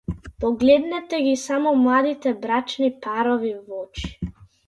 Погледнете ги само младите брачни парови в очи.